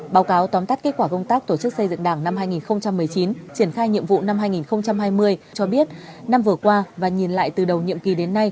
báo cáo tóm tắt kết quả công tác tổ chức xây dựng đảng năm hai nghìn một mươi chín triển khai nhiệm vụ năm hai nghìn hai mươi cho biết năm vừa qua và nhìn lại từ đầu nhiệm kỳ đến nay